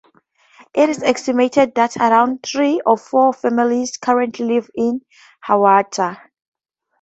It is estimated that around three or four families currently live in Hiawatha.